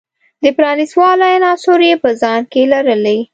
د پرانیست والي عناصر یې په ځان کې لرلی.